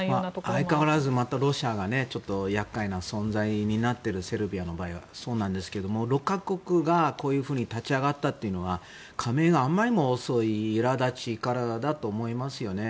相変わらずまたロシアが厄介な存在になっているセルビアの場合はですが６か国がこういうふうに立ち上がったというのは加盟があまりにも遅い苛立ちからだと思いますよね。